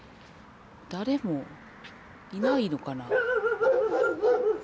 誰もいないのかな。